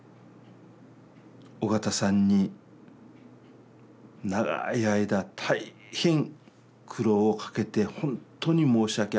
緒方さんに長い間大変苦労をかけて本当に申し訳ありませんでした。